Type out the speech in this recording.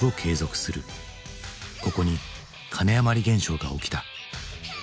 ここに金あまり現象が起きた。